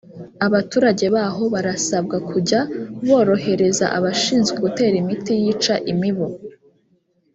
abaturage baho barasabwa kujya borohereza abashinzwe gutera imiti yica imibu